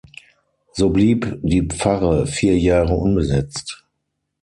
So blieb die Pfarre vier Jahre unbesetzt.